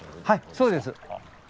はいそうです。